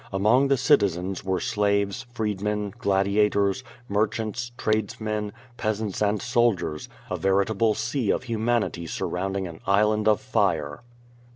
Among the citizens were slaves, freedmen, gladiators, merchants, tradesmen, peas ants and soldiers, a veritable sea of humanity surrounding an island of fire.